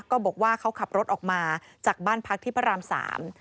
ก็บอกว่าเขาขับรถออกมาจากบ้านพักที่พระรามสาม